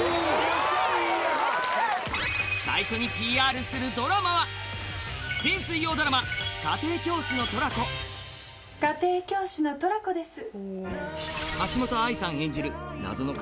最初にＰＲするドラマは新水曜ドラマ『家庭教師のトラコ』家庭教師のトラコです。